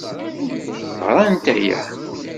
Anda ay ɣrant aya?